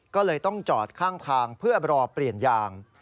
ก็เลยต้องจอดข้างทางเพื่อรอเปลี่ยนยาง